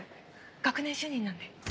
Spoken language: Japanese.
学年主任なんで。